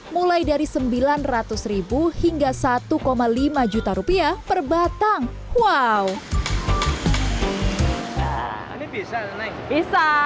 mulai dari sembilan ratus hingga satu lima juta rupiah per batang wow bisa bisa